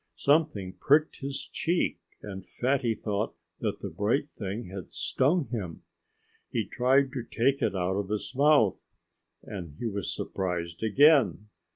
Something pricked his cheek and Fatty thought that the bright thing had stung him. He tried to take it out of his mouth, and he was surprised again.